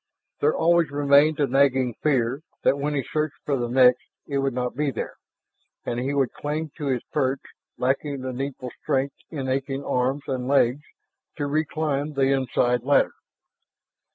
There always remained the nagging fear that when he searched for the next it would not be there and he would cling to his perch lacking the needful strength in aching arms and legs to reclimb the inside ladder.